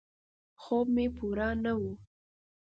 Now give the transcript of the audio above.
خوب مې پوره نه و.